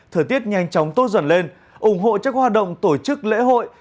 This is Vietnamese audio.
thời tiết nhanh chóng tốt dần lên ủng hộ cho các hoạt động tổ chức lễ hội